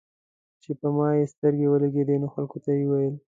چې پر ما يې سترګې ولګېدې نو خلکو ته یې وويل.